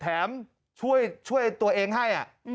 แถมช่วยตัวเองให้